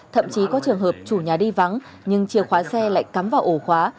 thậm chí có trường hợp chủ nhà đi vắng nhưng chìa khóa xe lại cắm vào ổ khóa